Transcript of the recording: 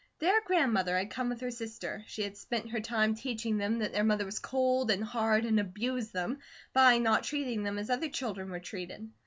Their grandmother had come with her sister; she had spent her time teaching them that their mother was cold, and hard, and abused them, by not treating them as other children were treated.